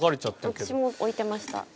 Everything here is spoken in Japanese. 私も置いてました。